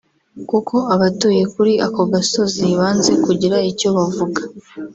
kuko abatuye kuri ako gasozi banze kugira icyo bavuga